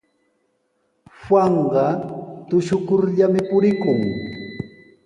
Juanqa tushukurllami purikun.